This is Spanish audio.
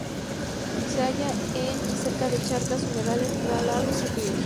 Se halla en y cerca de charcas, humedales, lagos, ríos.